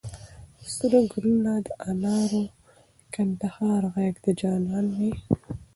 سره ګلونه د انارو، کندهار غېږ د جانان مي